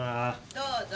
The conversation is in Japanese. どうぞ。